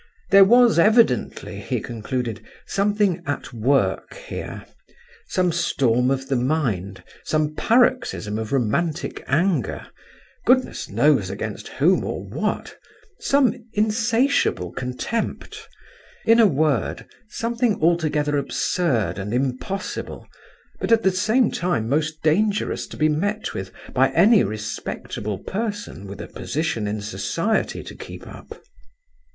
There was evidently, he concluded, something at work here; some storm of the mind, some paroxysm of romantic anger, goodness knows against whom or what, some insatiable contempt—in a word, something altogether absurd and impossible, but at the same time most dangerous to be met with by any respectable person with a position in society to keep up.